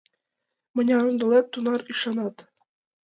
Мыняр ондалет — тунар ӱшанат.